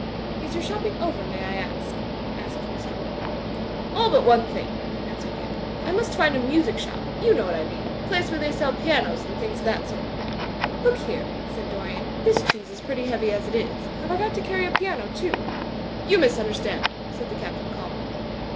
"Is your shopping over, may I ask?" asked Mr. Wimpole. "AJl but one thing," answered the other. "I must find a music shop— you know what I mean. Place where they sell pianos and things of that sort." "Look here," said Dorian, "this cheese is pretty heavy as it is. Have I got to carry a piano, too?" "You misunderstand me," said the Captain, calmly.